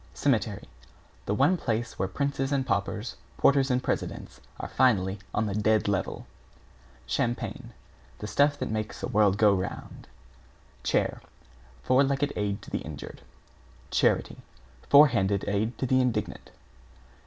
=CEMETERY= The one place where princes and paupers, porters and presidents are finally on the dead level. =CHAMPAGNE= The stuff that makes the world go round. =CHAIR= Four legged aid to the injured. =CHARITY= Forehanded aid to the indigent.